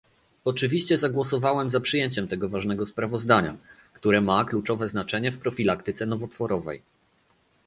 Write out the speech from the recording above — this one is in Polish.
Oczywiście zagłosowałem za przyjęciem tego ważnego sprawozdania, które ma kluczowe znaczenie w profilaktyce nowotworowej